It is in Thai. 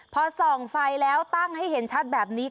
พอส่องไฟแล้วตั้งให้เห็นชัดแบบนี้